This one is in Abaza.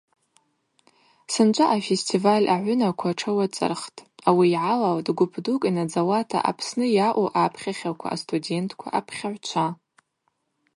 Сынчӏва афестиваль агӏвынаква тшауацӏырхтӏ, ауи йгӏалалтӏ гвып дукӏ йнадзауата Апсны йауу апхьахьаква, астудентква, апхьагӏвчва.